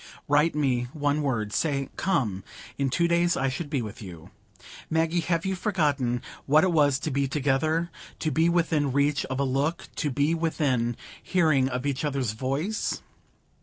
Write me one word; say 'Come!' In two days I should be with you. Maggie, have you forgotten what it was to be together,—to be within reach of a look, to be within hearing of each other's voice?"